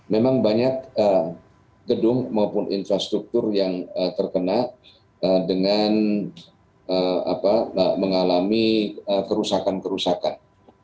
memang banyak gedung maupun infrastruktur yang terkena dengan mengalami kerusakan kerusakan